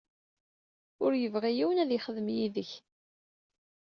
Ur yebɣi yiwen ad yexdem yid-k.